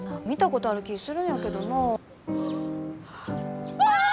見たことある気ぃするんやけどなあ。